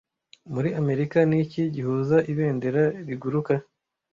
Muri Amerika niki gihuza Ibendera riguruka